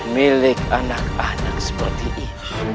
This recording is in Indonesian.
milik anak anak seperti ini